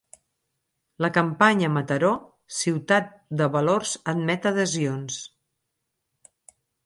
La campanya Mataró, ciutat de valors admet adhesions.